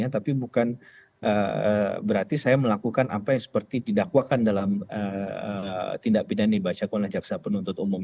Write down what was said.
tapi bukan berarti saya melakukan apa yang seperti didakwakan dalam tindak pidana yang dibacakan oleh jaksa penuntut umum